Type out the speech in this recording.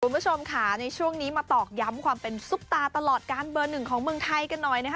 คุณผู้ชมค่ะในช่วงนี้มาตอกย้ำความเป็นซุปตาตลอดการเบอร์หนึ่งของเมืองไทยกันหน่อยนะคะ